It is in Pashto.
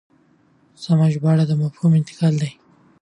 سمه ژباړه د مفهوم انتقال دی.